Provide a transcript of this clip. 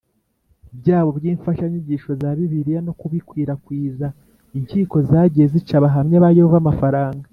byabo by imfashanyigisho za Bibiliya no kubikwirakwiza Inkiko zagiye zica Abahamya ba Yehova amafaranga